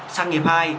sáng nghiệp hai